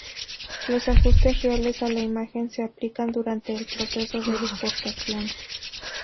Los ajustes reales a la imagen se aplican durante el proceso de exportación.